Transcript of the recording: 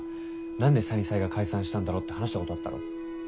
「何でサニサイが解散したんだろう」って話したことあったろ？